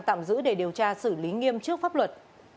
tạm giữ để điều tra xử lý nghiêm trước pháp luật